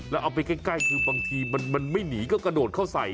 แล้วเอาไปใกล้คือบางทีมันไม่หนีก็กระโดดเข้าใส่